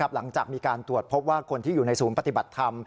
หลังจากมีการตรวจพบว่าคนที่อยู่ในศูนย์ปฏิบัติธรรม